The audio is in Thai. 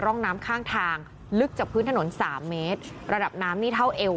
ร่องน้ำข้างทางลึกจากพื้นถนนสามเมตรระดับน้ำนี่เท่าเอว